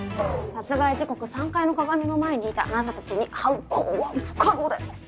殺害時刻３階の鏡の前にいたあなたたちに犯行は不可能です！